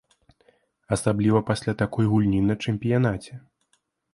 Асабліва пасля такой гульні на чэмпіянаце.